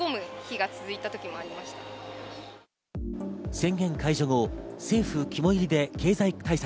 宣言解除後、政府肝いりで経済対策